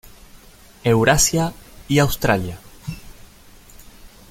Eurasia y Australia.